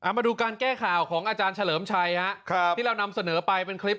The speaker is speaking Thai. มาดูการแก้ข่าวของอาจารย์เฉลิมชัยที่เรานำเสนอไปเป็นคลิป